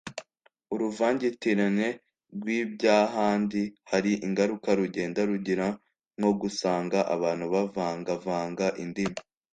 uruvangitirne rw’iby’ahandi hari ingaruka rugenda rugira; nko gusanga abantu bavangavanga indimi